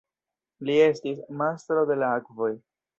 Li estis "Mastro de la akvoj".